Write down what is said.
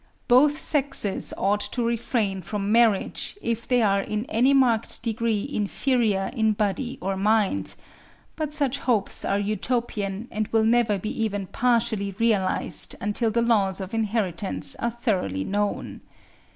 Both sexes ought to refrain from marriage if they are in any marked degree inferior in body or mind; but such hopes are Utopian and will never be even partially realised until the laws of inheritance are thoroughly known.